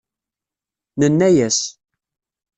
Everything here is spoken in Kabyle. Nenna-as.